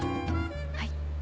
はい。